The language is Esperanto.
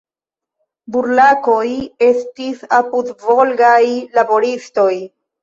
"Burlakoj" estis apudvolgaj laboristoj.